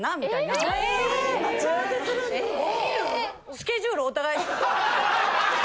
スケジュールお互い。